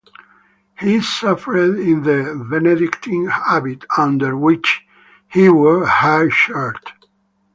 He suffered in the Benedictine habit, under which he wore a hair-shirt.